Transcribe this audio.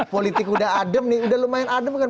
politik udah adem nih udah lumayan adem kan